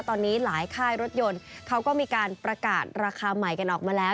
ตอนนี้หลายค่ายรถยนต์เขาก็มีการประกาศราคาใหม่กันออกมาแล้ว